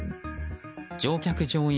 乗客・乗員